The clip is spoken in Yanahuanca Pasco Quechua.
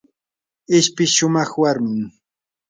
ishpi shumaq warmim.